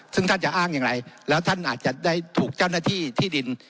ซึ่งท่านจะอ้างอย่างไรแล้วท่านอาจจะได้ถูกเจ้าหน้าที่ที่ดิน